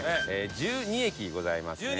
１２駅ございますね。